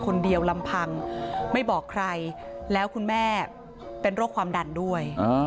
ลำพังไม่บอกใครแล้วคุณแม่เป็นโรคความดันด้วย